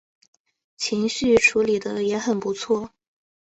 情绪处理的也很不错